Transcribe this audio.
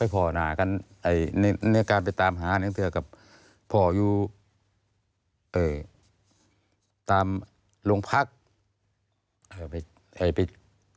พ่อหนากันในการไปตามหาพ่ออยู่ตามโรงพักษณ์